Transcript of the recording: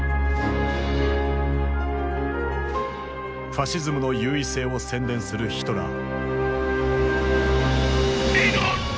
ファシズムの優位性を宣伝するヒトラー。